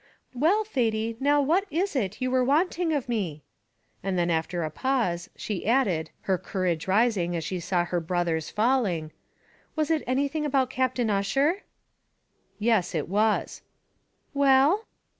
"Well, Thady, now what was it you were wanting of me?" and then after a pause, she added, her courage rising as she saw her brother's falling: "Was it anything about Captain Ussher?" "Yes, it was." "Well?"